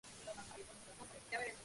Habita en Bután.